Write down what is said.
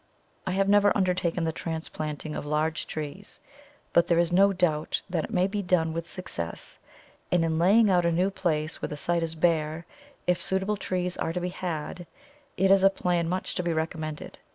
I have never undertaken the transplanting of large trees, but there is no doubt that it may be done with success, and in laying out a new place where the site is bare, if suitable trees are to be had, it is a plan much to be recommended.